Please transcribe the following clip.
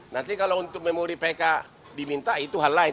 nanti kalau untuk memori pk diminta itu hal lain